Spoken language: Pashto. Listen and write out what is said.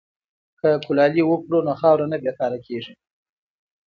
که کلالي وکړو نو خاوره نه بې کاره کیږي.